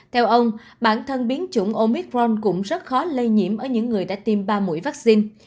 theo ông bản thân biến chủng omitron cũng rất khó lây nhiễm ở những người đã tiêm ba mũi vaccine